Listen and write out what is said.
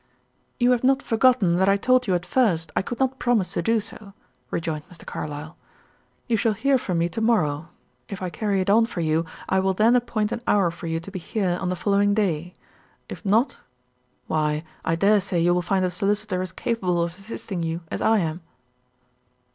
"You have not forgotten that I told you at first I could not promise to do so," rejoined Mr. Carlyle. "You shall hear from me to morrow. If I carry it on for you, I will then appoint an hour for you to be here on the following day; if not why, I dare say you will find a solicitor as capable of assisting you as I am."